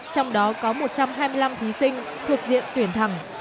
trong đó có một trăm hai mươi năm thí sinh thuộc diện tuyển thẳng